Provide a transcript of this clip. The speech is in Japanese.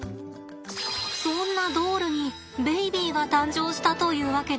そんなドールにベイビーが誕生したというわけです。